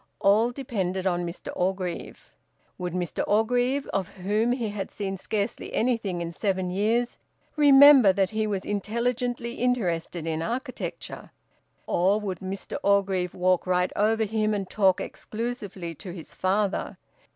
All depended on Mr Orgreave. Would Mr Orgreave, of whom he had seen scarcely anything in seven years, remember that he was intelligently interested in architecture? Or would Mr Orgreave walk right over him and talk exclusively to his father?